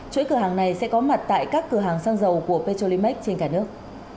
chuỗi cửa hàng này sẽ có mặt tại các cửa hàng xăng dầu của petrolimax trên cả nước